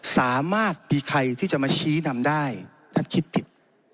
สามารถมีใครที่จะมาชี้นำได้ท่านคิดผิด